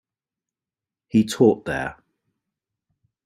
He taught there.